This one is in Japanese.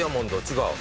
違う？